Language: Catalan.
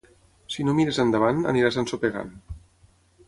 Si no mires endavant, aniràs ensopegant.